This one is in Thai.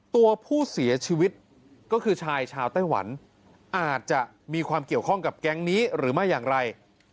ตัวผู้เสียชีวิตก็คือชายชาวไต้หวันอาจจะมีความเกี่ยวข้องกับแก๊งนี้หรือไม่อย่างไร